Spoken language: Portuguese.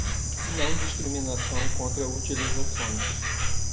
Não discriminação contra utilizações.